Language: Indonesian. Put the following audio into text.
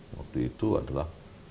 waktu itu adalah